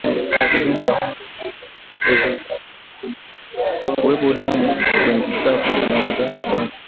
Dalili ya homa ya bonde la ufa ni kuwepo damu kwenye uchafu unaotoka puani